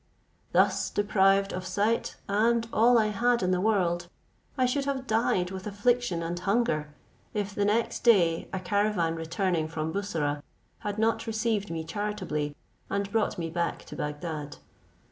Thus deprived of sight and all I had in the world, I should have died with affliction and hunger, if the next day a caravan returning from Bussorah had not received me charitably, and brought me back to Bagdad.